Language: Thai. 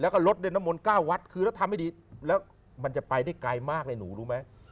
แล้วก็รถเล่นน้ำมนต์๙วัดคือแล้วทำให้ดีแล้วมันจะไปได้ไกลมากเลยหนูรู้ไหม